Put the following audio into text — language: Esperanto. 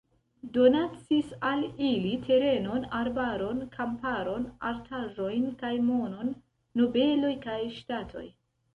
Donacis al ili terenon, arbaron, kamparon, artaĵojn kaj monon nobeloj kaj ŝtatoj.